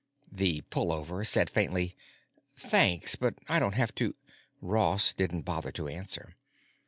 The Pullover said faintly: "Thanks, but I don't have to——" Ross didn't bother to answer.